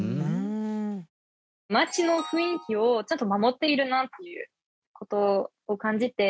街の雰囲気をちゃんと守っているなという事を感じて。